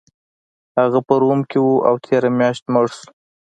هغه په روم کې و او تیره میاشت مړ شو